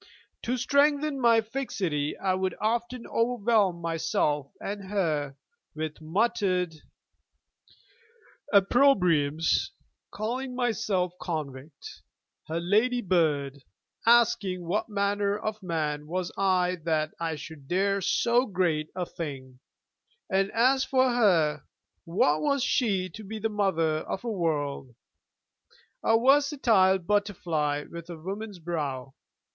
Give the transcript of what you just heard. To strengthen my fixity I would often overwhelm myself, and her, with muttered opprobriums, calling myself 'convict,' her 'lady bird'; asking what manner of man was I that I should dare so great a thing; and as for her, what was she to be the Mother of a world? a versatile butterfly with a woman's brow!